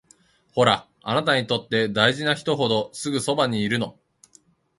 ほら、あなたにとって大事な人ほどすぐそばにいるの